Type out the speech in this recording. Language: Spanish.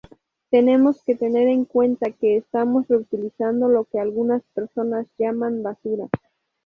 Tenemos que tener en cuenta que estamos reutilizando lo que algunas personas llaman basura.